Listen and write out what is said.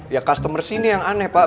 ya customer sini yang aneh pak